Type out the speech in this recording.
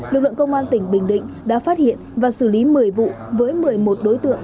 lực lượng công an tỉnh bình định đã phát hiện và xử lý một mươi vụ với một mươi một đối tượng